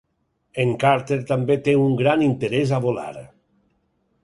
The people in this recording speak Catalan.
En Carter també te un gran interès a volar.